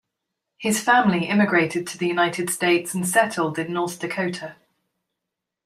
His family immigrated to the United States and settled in North Dakota.